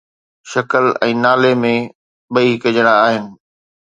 شڪل ۽ نالي ۾ ٻئي هڪجهڙا آهن